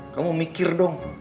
kamu mikir dong